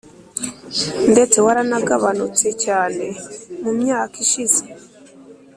ndetse waranagabanutse cyane mu myaka ishize.